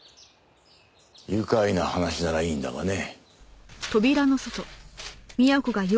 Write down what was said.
愉快な話ならいいんだがね。